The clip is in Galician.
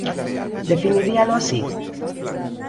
Definiríalo así?